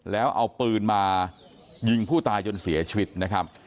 แล้วเอาปืนมายิงผู้ตายจนเสียชีวิตนะครับ